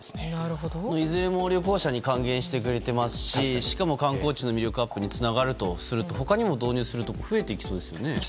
いずれも旅行者に還元してくれていますししかも観光地の魅力アップにつながるとすると他にも導入するところ増えてきそうですね。